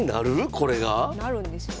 これが？なるんですよ。